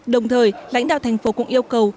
đồng thời lãnh đạo thành phố cũng yêu cầu